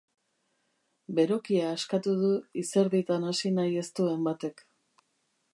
Berokia askatu du izerditan hasi nahi ez duen batek.